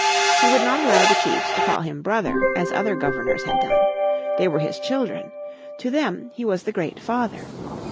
He would not allow the chiefs to call him brother as other governors had done. They were his children; to them he was the Great Father.